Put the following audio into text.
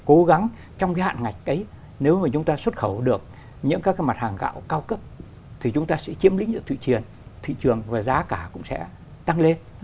cố gắng trong cái hạn ngạch ấy nếu mà chúng ta xuất khẩu được những các cái mặt hàng gạo cao cấp thì chúng ta sẽ chiếm lĩnh vực thụy truyền thị trường và giá cả cũng sẽ tăng lên